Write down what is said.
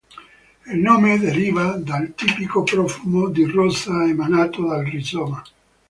Il nome deriva dal tipico profumo di rosa emanato dal rizoma.